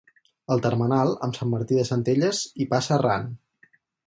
El termenal amb Sant Martí de Centelles hi passa arran.